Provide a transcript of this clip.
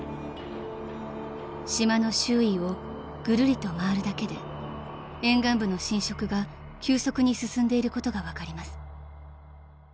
［島の周囲をぐるりと回るだけで沿岸部の浸食が急速に進んでいることが分かります］